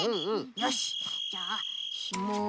よしじゃあひもを。